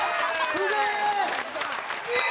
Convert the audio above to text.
すげえ！